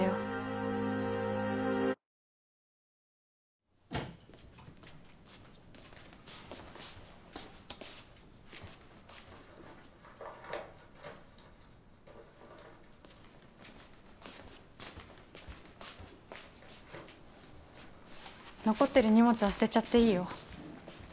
バタン残ってる荷物は捨てちゃっていいよ。